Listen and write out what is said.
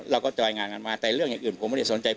จอยงานกันมาแต่เรื่องอย่างอื่นผมไม่ได้สนใจ